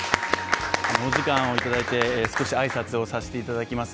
お時間をいただいて、少し挨拶をさせていただきます。